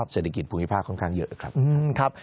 เศรษฐกิจภูมิภาคค่อนข้างเยอะครับ